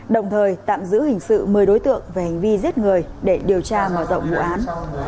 đồng thời tạm giữ hình sự mời đối tượng về hành vi giết người để điều tra vào rộng vụ án